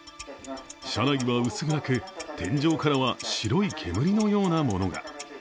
車内は薄暗く、天井からは白い煙のようなものが。